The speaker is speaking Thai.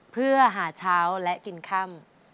เพื่อหาเช้าและกินค่ำ